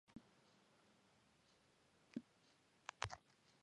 მასში ბევრია ავტობიოგრაფიული მომენტი.